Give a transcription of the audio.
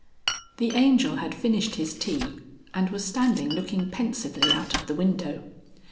The Angel had finished his tea and was standing looking pensively out of the window.